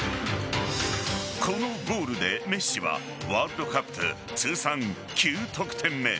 このゴールでメッシはワールドカップ通算９得点目。